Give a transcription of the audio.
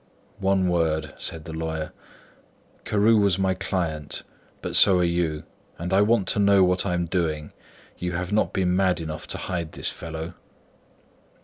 "One word," said the lawyer. "Carew was my client, but so are you, and I want to know what I am doing. You have not been mad enough to hide this fellow?"